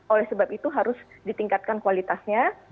oleh sebab itu harus ditingkatkan kualitasnya